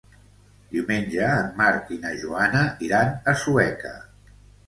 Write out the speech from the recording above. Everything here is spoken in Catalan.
Diumenge en Marc i na Joana iran a Sueca.